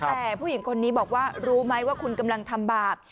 แต่ผู้หญิงคนนี้บอกว่ารู้ไหมว่าคุณกำลังทำบาป